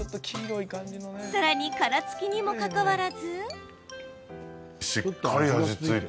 さらに、殻付きにもかかわらず。